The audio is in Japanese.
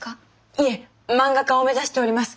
いえ漫画家を目指しております。